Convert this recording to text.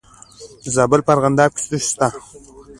د زابل په ارغنداب کې څه شی شته؟